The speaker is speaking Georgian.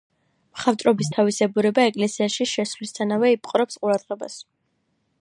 მხატვრობის თავისებურება ეკლესიაში შესვლისთანავე იპყრობს ყურადღებას.